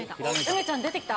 梅ちゃん、出てきた？